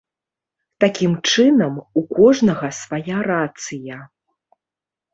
Такім чынам, у кожнага свая рацыя.